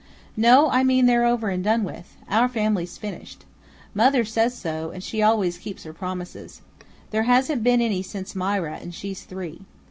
"No, I mean they're all over and done with; our family 's finished. Mother says so, and she always keeps her promises. There hasn't been any since Mira, and she's three.